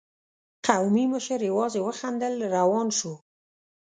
قومي مشر يواځې وخندل، روان شو.